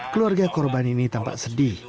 keluarga korban ini tampak sedih